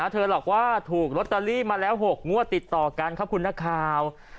เธอหลอกว่าถูกลอตเตอรี่มาแล้ว๖งวดติดต่อกันครับคุณนักข่าว